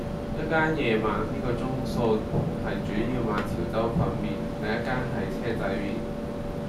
一間夜晚呢個鐘數係主要賣潮州粉麵,另一間係車仔麵